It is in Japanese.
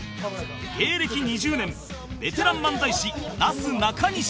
芸歴２０年ベテラン漫才師なすなかにし